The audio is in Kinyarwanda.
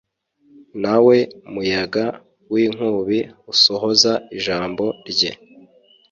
nawe muyaga w'inkubi usohoza ijambo rye